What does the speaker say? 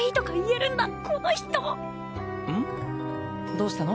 どうしたの？